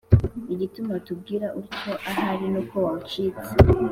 Igituma utubwira utyo, ahari nuko wawucitse.